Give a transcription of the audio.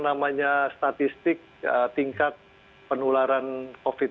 namanya statistik tingkat penularan covid